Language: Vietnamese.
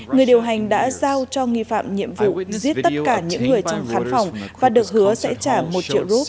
người điều hành đã giao cho nghi phạm nhiệm vụ giết tất cả những người trong khán phòng và được hứa sẽ trả một triệu rup